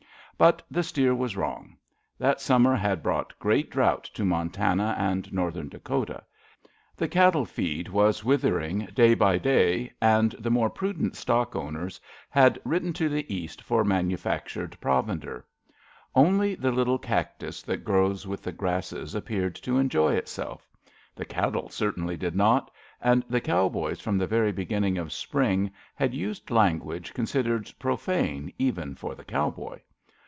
But the steer was wrong. That summer had brought great drought to Montana and Northern Dakota. The cattle feed was withering day by day, and the more prudent stock owners had written to the East for manufactured provender. Only the little cactus that grows with the grasses appeared to 46 A LITTLE MORE BEEF 47 enjoy itself. The cattle certainly did not; and the cowboys from the very beginning of spring had used language considered profane even for the cowboy.